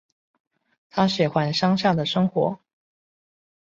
她喜欢乡下的生活